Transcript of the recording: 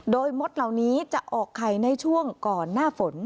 โดยมดเหล่านี้จะออกไข่ในช่วงก่อนหน้าฝน